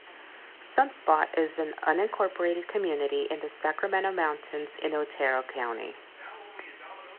Sunspot is an unincorporated community in the Sacramento Mountains in Otero County.